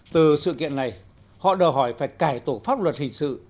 từ sự kiện này họ đòi hỏi phải cải tổ pháp luật hình sự